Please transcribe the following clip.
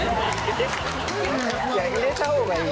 入れた方がいい。